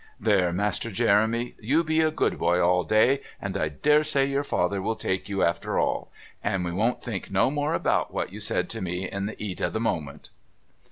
"There, Master Jeremy, you be a good boy all day, and I dare say your father will take you, after all; and we won't think no more about what you said to me in the 'eat of the moment."